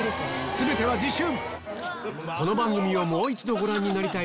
全ては次週！